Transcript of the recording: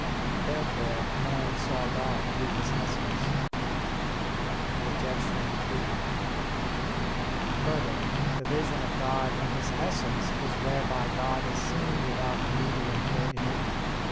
Therefore man saw God through His Essence. Obj. 3: Further, the vision of God in His Essence is whereby God is seen without a medium or enigma.